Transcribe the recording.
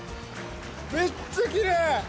めっちゃきれい！